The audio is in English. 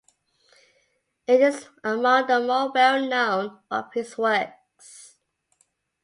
It is among the more well-known of his works.